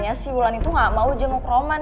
ya udah tapi ulan itu udah jenguk roman